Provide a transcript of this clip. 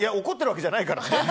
怒ってるわけじゃないからね。